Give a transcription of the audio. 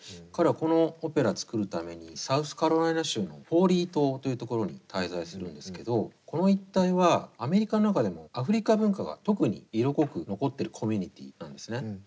彼はこのオペラ作るためにサウスカロライナ州のフォーリー島という所に滞在するんですけどこの一帯はアメリカの中でもアフリカ文化が特に色濃く残ってるコミュニティーなんですね。